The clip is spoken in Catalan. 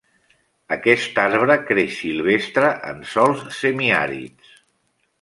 Aquest arbre creix silvestre en sòls semiàrids.